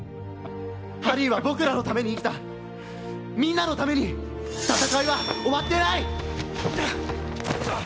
ハリーは僕らのために生きたみんなのために戦いは終わっていない！